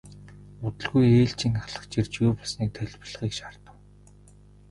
Удалгүй ээлжийн ахлагч ирж юу болсныг тайлбарлахыг шаардав.